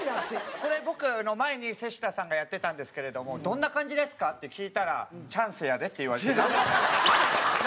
これ僕の前に瀬下さんがやってたんですけれどもどんな感じですか？って聞いたらチャンスやでって言われてなんもわからない。